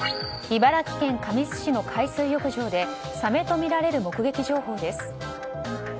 茨城県神栖市の海水浴場でサメとみられる目撃情報です。